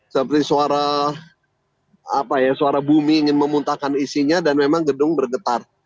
seperti suara bumi ingin memuntahkan isinya dan memang gedung bergetar